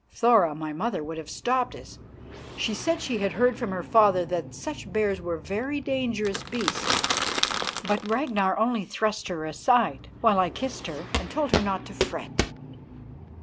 Thora, my mother, would have stopped us she said she had heard from her father that such bears were very dangerous beasts but Ragnar only thrust her aside, while I kissed her and told her not to fret.